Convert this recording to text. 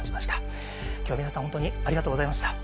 今日は皆さん本当にありがとうございました。